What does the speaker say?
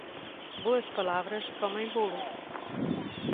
Boas palavras comem bolos.